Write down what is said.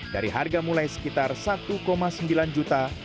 dari harga mulai sekitar rp satu sembilan juta sampai rp tujuh juta